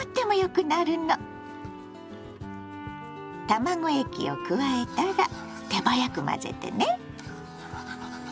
卵液を加えたら手早く混ぜてね。